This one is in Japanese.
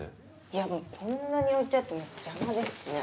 いやもうこんなに置いてあっても邪魔ですしね。